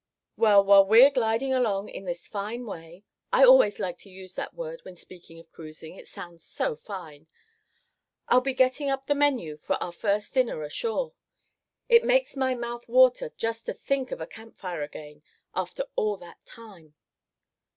"Well, while we're gliding along in this fine way I always like to use that word when speaking of cruising, it sounds so fine I'll be getting up the menu for our first dinner ashore. It makes my mouth water just to think of a campfire again, after all that time.